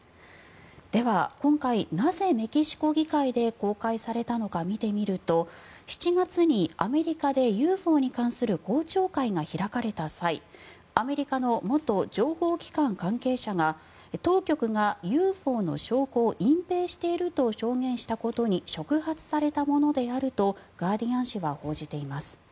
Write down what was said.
では今回、なぜメキシコ議会で公開されたのか見てみると７月にアメリカでＵＦＯに関する公聴会が開かれた際アメリカの元情報機関関係者が当局がＵＦＯの証拠を隠ぺいしていると証言したことに触発されたものであるとガーディアン紙は報じています。